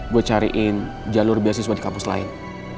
gue cariin jalur beasiswa di kampus lain